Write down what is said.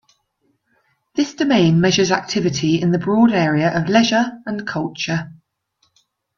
This domain measures activity in the broad area of leisure and culture.